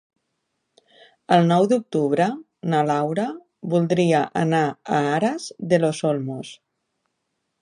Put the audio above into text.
El nou d'octubre na Laura voldria anar a Aras de los Olmos.